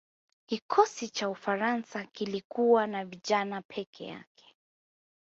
kikosi cha ufaransa kilikuwa na vijana peke yake